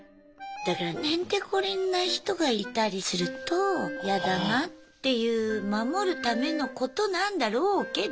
だからへんてこりんな人がいたりするとやだなっていう守るためのことなんだろうけど。